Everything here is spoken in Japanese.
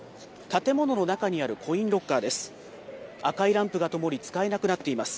建物の中にあるコインロッカーです。